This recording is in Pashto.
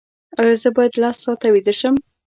ایا زه باید لس ساعته ویده شم؟